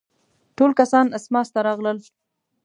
ټول کسان اسماس ته راغلل.